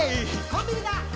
「コンビニだ！